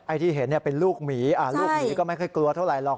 ที่เห็นเป็นลูกหมีลูกหมีก็ไม่ค่อยกลัวเท่าไหรหรอก